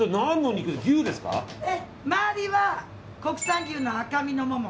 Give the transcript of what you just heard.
周りは国産牛の赤身のモモ。